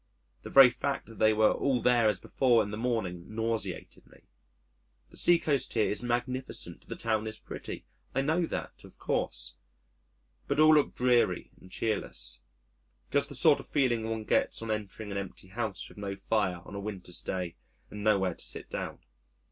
The very fact that they were all there as before in the morning nauseated me. The sea coast here is magnificent, the town is pretty I know that, of course. But all looked dreary and cheerless just the sort of feeling one gets on entering an empty house with no fire on a winter's day and nowhere to sit down....